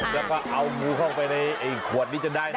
แล้วก็เอางูเข้าไปในขวดนี้จนได้นะ